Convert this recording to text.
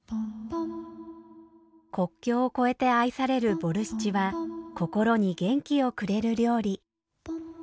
国境を越えて愛されるボルシチは心に元気をくれる料理。